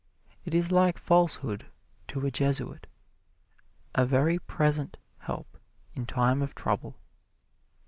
It is like falsehood to a Jesuit a very present help in time of trouble.